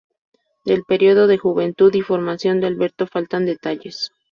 Del periodo de juventud y formación de Alberto faltan detalles.